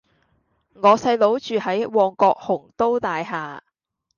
我細佬住喺旺角鴻都大廈